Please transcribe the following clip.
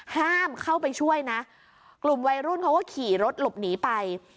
ห้ามเข้าไปช่วยนะกลุ่มวัยรุ่นเขาก็ขี่รถหลบหนีไป